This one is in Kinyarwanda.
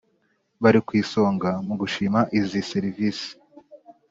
Bari ku isonga mu gushima izi serivisi